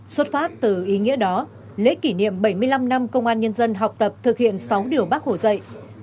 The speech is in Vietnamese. xuất phát từ ý nghĩa đó lễ kỷ niệm bảy mươi năm năm công an nhân dân học tập thực hiện sáu điều bác hồ dạy